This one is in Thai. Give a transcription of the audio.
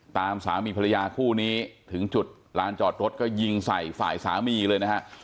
สามีภรรยาคู่นี้ถึงจุดลานจอดรถก็ยิงใส่ฝ่ายสามีเลยนะฮะ